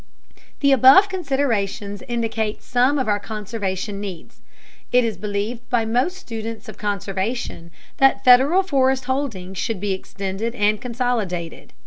The above considerations indicate some of our conservation needs. It is believed by most students of conservation that the Federal forest holdings should be extended and consolidated.